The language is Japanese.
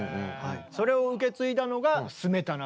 それを受け継いだのがスメタナ。